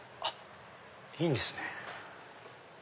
いいんですね。